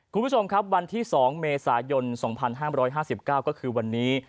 คุณผู้ชมครับวันที่๒เมษายน๒๕๕๙ก็คือวันนี้